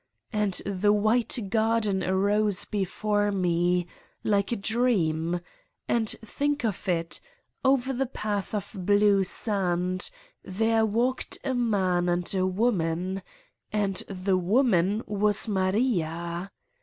And the white garden arose before me, like a dream, and think of it ! over the path of blue sand there walked a man and a woman and the woman was Maria!